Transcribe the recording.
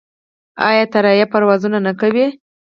آیا الوتکې پروازونه نه کوي؟